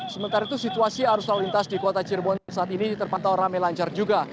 sementara itu situasi arus lalu lintas di kota cirebon saat ini terpantau rame lancar juga